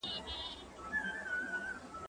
زه اجازه لرم چي پلان جوړ کړم،